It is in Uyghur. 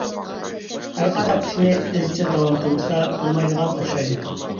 ھەرقانداق ئىشنى ئىزچىل داۋام قىلمىسا بولمايدىغان ئوخشايدۇ.